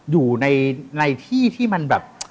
อยู่ในที่ที่มันแบบ